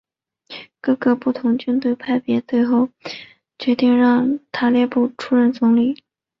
各个不同军队派别最后决定让塔列布出任总理职。